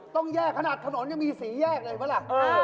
ต้องแยกขนาดถนนยังมีสีแยกเลยปะละ